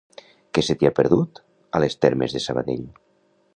Què se t'hi ha perdut, a Les Termes de Sabadell?